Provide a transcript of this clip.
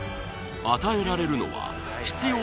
与えられるのは必要